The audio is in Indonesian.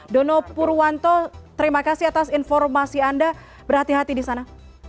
dono purwanto terima kasih atas informasi anda berhati hati di sana